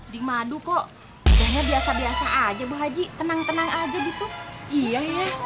di maduk kok biasa biasa aja bu haji tenang tenang aja gitu iya ya